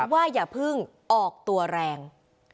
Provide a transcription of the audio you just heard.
ว่าอย่าเพิ่งออกตัวแรง